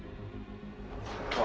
ini seru pulang